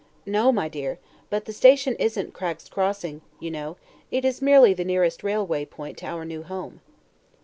No, my dear; but the station isn't Cragg's Crossing, you know; it is merely the nearest railway point to our new home."